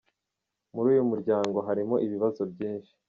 Muri uyu mu ryango harimo ibibazo byinshi.